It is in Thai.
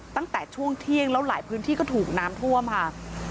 ตั้งแต่ช่วงเที่ยงแล้วหลายพื้นที่ก็ถูกน้ำท่วมค่ะ